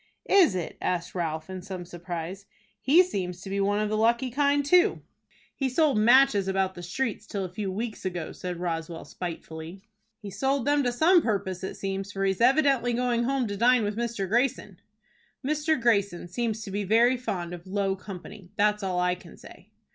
"Is it?" asked Ralph, in some surprise. "He seems to be one of the lucky kind too." "He sold matches about the streets till a few weeks ago," said Roswell, spitefully. "He sold them to some purpose, it seems, for he's evidently going home to dine with Mr. Greyson." "Mr. Greyson seems to be very fond of low company. That's all I can say."